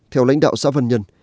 theo lãnh đạo xã văn nhân